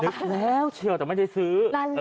เล็กแล้วที่ยอดแต่ไม่ได้ซื้อ